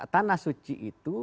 tanah suci itu